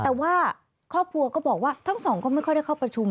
แต่ว่าครอบครัวก็บอกว่าทั้งสองก็ไม่ค่อยได้เข้าประชุม